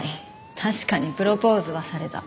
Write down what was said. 確かにプロポーズはされた。